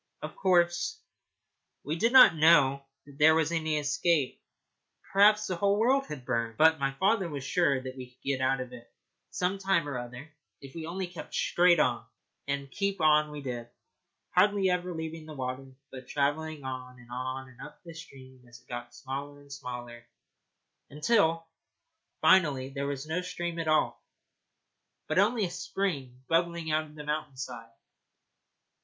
Of course, we did not know that there was any escape. Perhaps the whole world had burned. But my father was sure that we should get out of it some time or other if we only kept straight on. And keep on we did, hardly ever leaving the water, but travelling on and on up the stream as it got smaller and smaller, until finally there was no stream at all, but only a spring bubbling out of the mountain side.